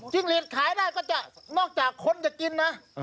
หลีดขายได้ก็จะนอกจากคนจะกินนะ